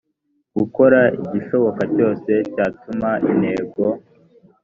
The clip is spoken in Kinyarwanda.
gukora igishoboka cyose cyatuma intego